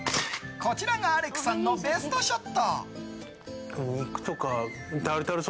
こちらがアレクさんのベストショット！